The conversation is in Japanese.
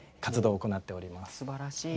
すばらしい。